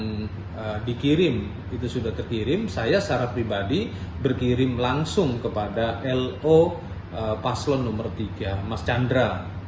yang dikirim itu sudah kekirim saya secara pribadi berkirim langsung kepada lo paslon nomor tiga mas chandra